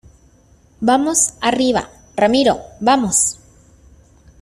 vamos, arriba. ramiro , vamos .